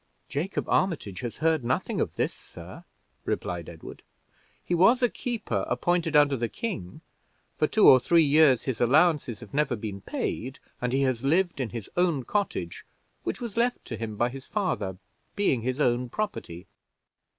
"Jacob Armitage has heard nothing of this, sir," replied Edward. "He was a keeper, appointed under the king; for two or three years his allowances have never been paid, and he has lived on his own cottage, which was left to him by his father, being his own property."